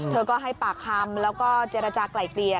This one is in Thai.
เธอก็ให้ปากคำแล้วก็เจรจากลายเกลี่ย